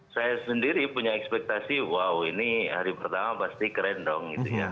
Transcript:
saya sendiri punya ekspektasi wow ini hari pertama pasti keren dong